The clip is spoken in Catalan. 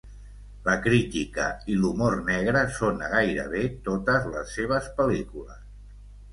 La crítica i l'humor negre són a gairebé totes les seves pel·lícules.